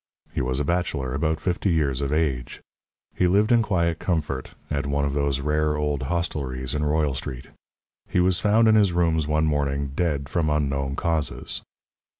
He was a bachelor, about fifty years of age. He lived in quiet comfort, at one of those rare old hostelries in Royal Street. He was found in his rooms, one morning, dead from unknown causes.